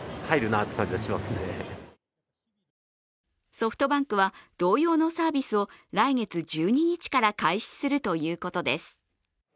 ソフトバンクは同様のサービスを来月１２日から開始するということです。